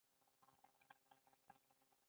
مس د افغانانو لپاره په معنوي لحاظ ارزښت لري.